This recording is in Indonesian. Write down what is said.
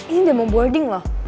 ini udah mau boarding loh